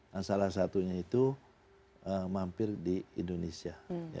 nah salah satunya itu mampir di indonesia